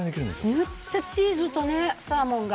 むっちゃチーズとサーモンが。